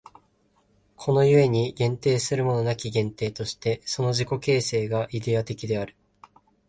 この故に限定するものなき限定として、その自己形成がイデヤ的である。